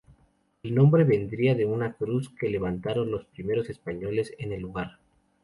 El nombre devendría de una cruz que levantaron los primeros españoles en el lugar.